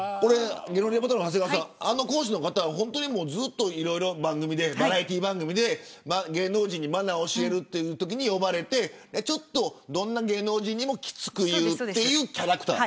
芸能リポーターの長谷川さんあの講師の方はいろいろバラエティー番組で芸能人にマナーを教えるというときに呼ばれてどんな芸能人にもきつく言うというキャラクター。